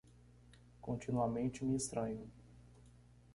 Continuamente me estranho.